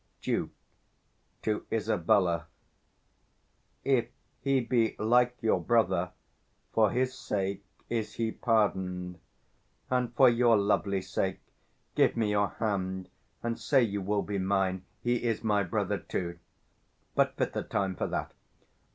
_ Duke. [To Isabella] If he be like your brother, for his sake Is he pardon'd; and, for your lovely sake, Give me your hand, and say you will be mine, 490 He is my brother too: but fitter time for that.